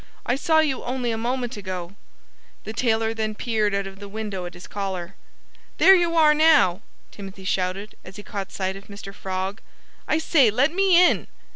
"I saw you only a moment ago." The tailor then peered out of the window at his caller. "There you are now!" Timothy shouted, as he caught sight of Mr. Frog. "I say, let me in!"